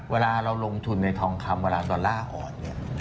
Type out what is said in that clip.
เวลาเราลงทุนในทองคำเวลาดอลลาร์อ่อนเนี่ย